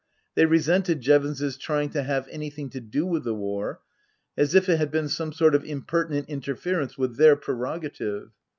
They resented Jevons's trying to have anything to do with the war, as if it had been some sort of impertinent inter ference with their prerogative.